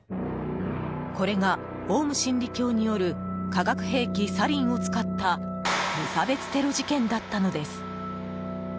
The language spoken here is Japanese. これがオウム真理教による化学兵器サリンを使った無差別テロ事件だったのです。